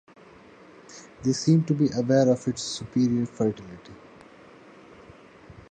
They seem to be aware of its superior fertility.